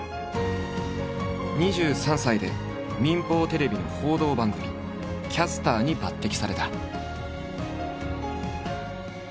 ２３歳で民放テレビの報道番組キャスターに抜擢された。